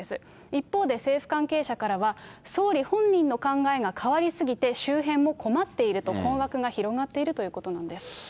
一方で、政府関係者からは、総理本人の考えが変わり過ぎて、周辺も困っていると、困惑が広がっているということなんです。